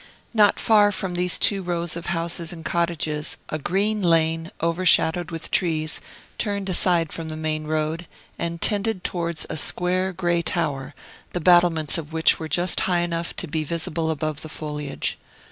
Not far from these two rows of houses and cottages, a green lane, overshadowed with trees, turned aside from the main road, and tended towards a square, gray tower, the battlements of which were just high enough to be visible above the foliage.